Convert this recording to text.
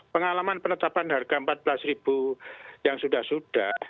pengalaman penetapan harga rp empat belas yang sudah sudah